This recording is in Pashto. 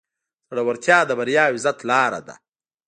زړورتیا د بریا او عزت لاره ده.